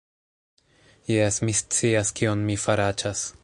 Jes, mi scias kion mi faraĉas